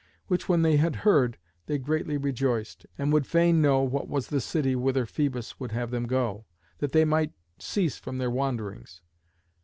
Which when they had heard, they greatly rejoiced, and would fain know what was the city whither Phœbus would have them go, that they might cease from their wanderings.